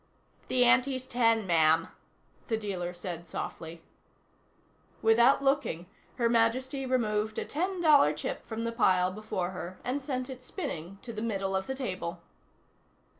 "The ante's ten, ma'am," the dealer said softly. Without looking, Her Majesty removed a ten dollar chip from the pile before her and sent it spinning to the middle of the table.